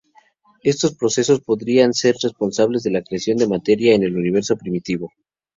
Estos procesos podrían ser responsables de la creación de materia en el universo primitivo.